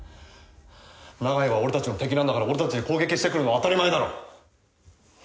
長屋は俺たちの敵なんだから俺たちに攻撃してくるのは当たり前だろ。